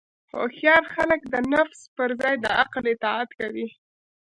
هوښیار خلک د نفس پر ځای د عقل اطاعت کوي.